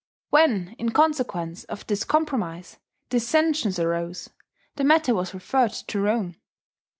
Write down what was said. When, in consequence of this compromise, dissensions arose, the matter was referred to Rome.